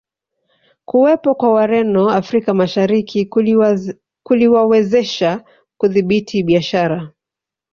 Kuwepo kwa Wareno Afrika Mashariki kuliwawezesha kudhibiti biashara